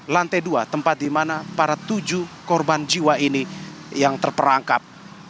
lantai dua tempat di mana para tujuh korban jiwa ini yang terperangkap